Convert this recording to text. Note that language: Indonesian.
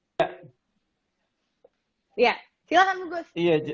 iya silahkan bungkus